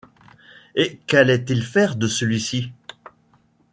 et qu’allait-il faire de celui-ci ?